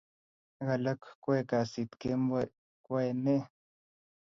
ak alak koae kasit kemboi koae ne?